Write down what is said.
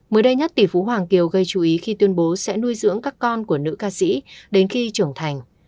mới đây nhất tỷ phú hoàng kiều gây chú ý khi tuyên bố sẽ nuôi dưỡng các con của nữ ca sĩ đến khi trưởng thành